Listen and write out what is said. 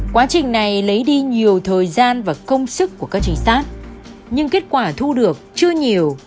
quá trình này lấy đi nhiều thời gian và công sức của các trinh sát nhưng kết quả thu được chưa nhiều